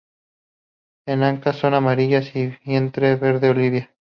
Las ancas son amarillas y el vientre, verde oliva.